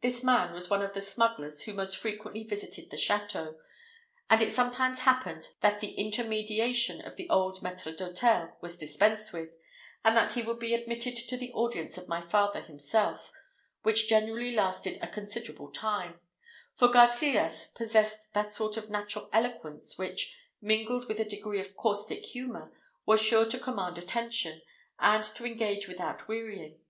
This man was one of the smugglers who most frequently visited the château, and it sometimes happened that the intermediation of the old maître d'hôtel was dispensed with, and that he would be admitted to an audience of my father himself, which generally lasted a considerable time; for Garcias possessed that sort of natural eloquence which, mingled with a degree of caustic humour, was sure to command attention, and to engage without wearying.